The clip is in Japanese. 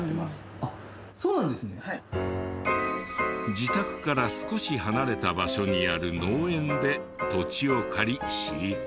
自宅から少し離れた場所にある農園で土地を借り飼育。